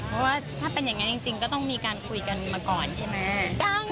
เพราะว่าถ้าเป็นอย่างนั้นจริงก็ต้องมีการคุยกันมาก่อนใช่ไหม